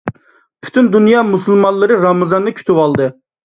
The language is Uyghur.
پۈتۈن دۇنيا مۇسۇلمانلىرى رامىزاننى كۈتۈۋالدى.